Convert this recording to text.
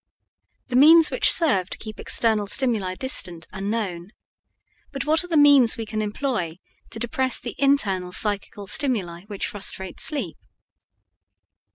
The means which serve to keep external stimuli distant are known; but what are the means we can employ to depress the internal psychical stimuli which frustrate sleep?